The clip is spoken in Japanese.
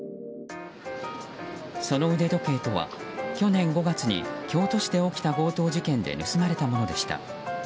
その腕時計とは去年５月に京都市で起きた強盗事件で盗まれたものでした。